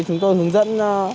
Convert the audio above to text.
chúng tôi hướng dẫn